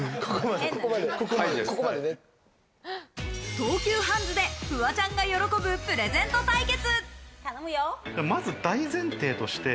東急ハンズでフワちゃんが喜ぶプレゼント対決。